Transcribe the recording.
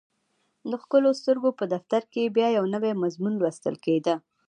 د ښکلو سترګو په دفتر کې یې بیا یو نوی مضمون لوستل کېده